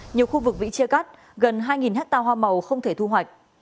nhiều khu vực bị chia cắt gần hai hectare hoa màu không thể thu hoạch